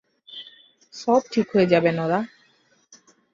সব ঠিক হয়ে যাবে, নোরাহ।